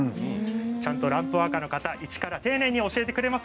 ちゃんとランプワーカーの方一から丁寧に教えてくれます。